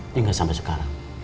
hingga sampai sekarang